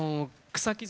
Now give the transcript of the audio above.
草木